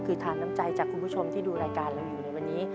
คือทานน้ำใจจากคุณผู้ชมที่ดูรายการเราอยู่ในวันนี้